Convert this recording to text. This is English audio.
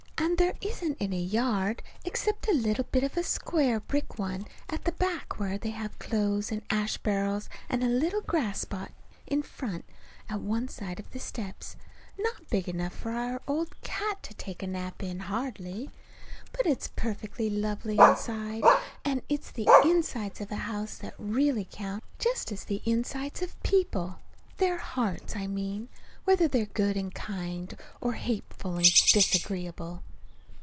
And there isn't any yard except a little bit of a square brick one at the back where they have clothes and ash barrels, and a little grass spot in front at one side of the steps, not big enough for our old cat to take a nap in, hardly. But it's perfectly lovely inside; and it's the insides of houses that really count just as it is the insides of people their hearts, I mean; whether they're good and kind, or hateful and disagreeable.